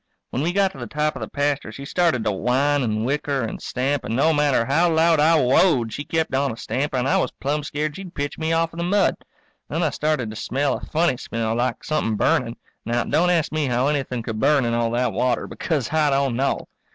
When we got to the top of the pasture she started to whine and whicker and stamp, and no matter how loud I whoa ed she kept on a stamping and I was plumb scared she'd pitch me off in the mud. Then I started to smell a funny smell, like somethin' burning. Now, don't ask me how anything could burn in all that water, because I don't know.